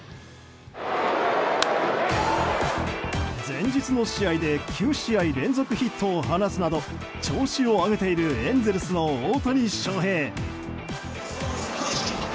前日の試合で９試合連続ヒットを放つなど調子を上げているエンゼルスの大谷翔平。